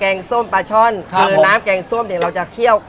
งส้มปลาช่อนคือน้ำแกงส้มเนี่ยเราจะเคี่ยว